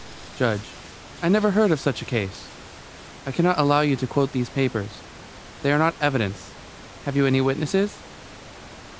JUDGE: I never heard of such a case. I cannot allow you to quote these papers. They are not evidence. Have you any witnesses?